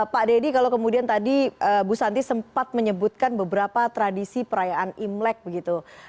pak deddy kalau kemudian tadi bu santi sempat menyebutkan beberapa tradisi perayaan imlek begitu